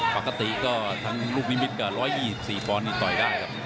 ปกติก็ทั้งลูกนิมิตกับ๑๒๔ปอนด์นี่ต่อยได้ครับ